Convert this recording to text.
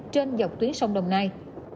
trên dọc tuyến sông đồng nai